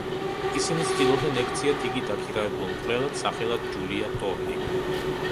ისინი ცდილობდნენ ექციათ იგი დაქირავებულ მკვლელად სახელად ჯულია ტორნი.